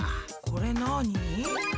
これなに？